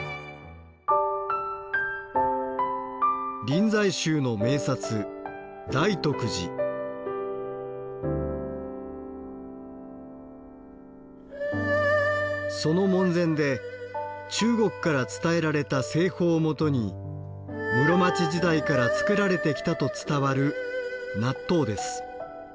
臨済宗の名刹その門前で中国から伝えられた製法をもとに室町時代から作られてきたと伝わる納豆です。